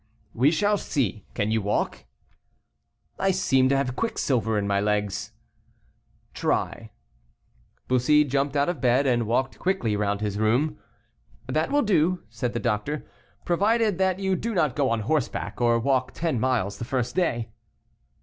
"We shall see; can you walk?" "I seem to have quicksilver in my legs." "Try." Bussy jumped out of bed, and walked quickly round his room. "That will do," said the doctor, "provided that you do not go on horseback, or walk ten miles the first day."